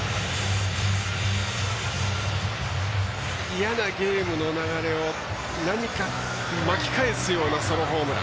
嫌なゲームの流れを何か巻き返すようなホームラン。